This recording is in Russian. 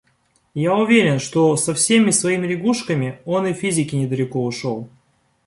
Я уверен, что со всеми своими лягушками он и в физике недалеко ушел.